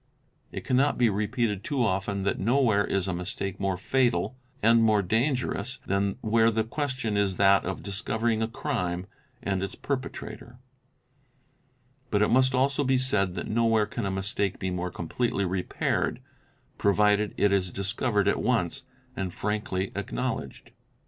It cannot be _ repeated too often that nowhere is a mistake more fatal and more 12 THE INVESTIGATING OFFICER dangerous than where the question is that of discovering a crime and its perpetrator ; but it must also be said that nowhere can a mistake be more completely repaired, provided it is discovered at once and frankly acknowledged.